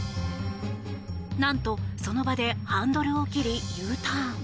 なんと、その場でハンドルを切りＵターン。